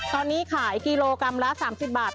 ตอนนี้ขายกิโลกรัมละ๓๐บาท